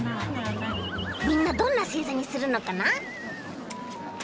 みんなどんなせいざにするのかな？